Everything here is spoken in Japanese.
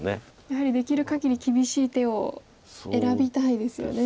やはりできるかぎり厳しい手を選びたいですよね